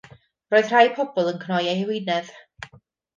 Roedd rhai pobl yn cnoi eu hewinedd.